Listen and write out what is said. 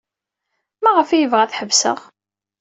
Maɣef ay yebɣa ad ḥebseɣ?